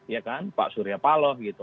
ya kan pak surya paloh gitu